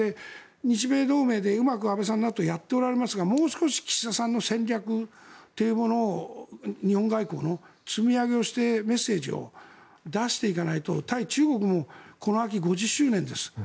日米同盟でうまく安倍さんらとうまくやっていますがもう少し岸田さんの戦略というものを日本外交の積み上げをしてメッセージを出していかないと対中国もこの秋、５０周年です。